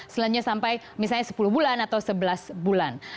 selanjutnya sampai misalnya sepuluh bulan atau sebelas bulan